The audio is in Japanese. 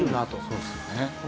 そうですよね。